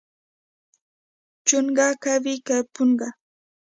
چونګ کوې که پونګ؟